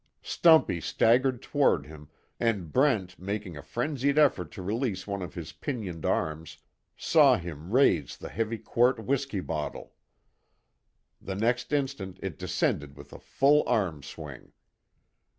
Stumpy staggered toward him, and Brent making a frenzied effort to release one of his pinioned arms, saw him raise the heavy quart whiskey bottle. The next instant it descended with a full arm swing.